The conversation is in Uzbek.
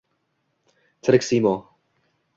Tirik siymo —